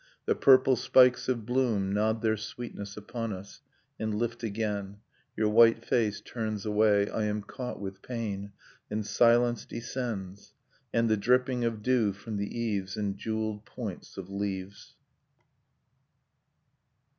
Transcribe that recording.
The purple spikes of bloom Nod their sweetness upon us, and lift again, Your white face turns away, I am caught with pain, — And silence descends. . .and the dripping of dew from the eaves And jewelled points of leaves.